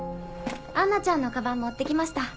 杏奈ちゃんのカバン持って来ました。